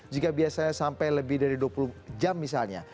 jika biasanya sampai lebih dari dua puluh jam misalnya